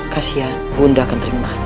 kasian bunda akan terima